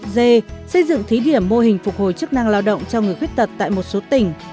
d xây dựng thí điểm mô hình phục hồi chức năng lao động cho người khuyết tật tại một số tỉnh